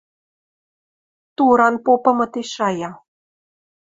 Туран попымы ти шая